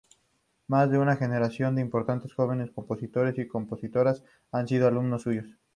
Más de una generación de importantes jóvenes compositores y compositoras han sido alumnos suyos.